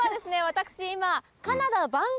私今。